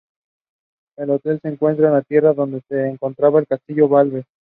El hotel se encuentra en la tierra donde se encontraba el Castillo Valdes.